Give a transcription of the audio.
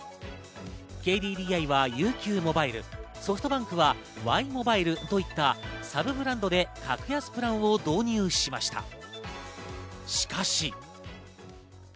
ＫＤＤＩはＵＱｍｏｂｉｌｅ、ソフトバンクはワイモバイルといったサブブランドで格安プランを導入しました。